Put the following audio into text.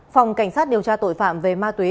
phòng cảnh sát điều tra tội phạm về ma túy